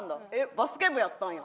バスケ部やったんや。